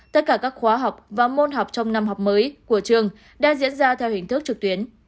tất cả các khóa học và môn học trong năm học mới của trường đã diễn ra theo hình thức trực tuyến